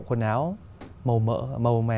quần áo màu mẹ